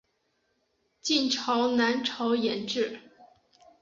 晋朝南朝沿置。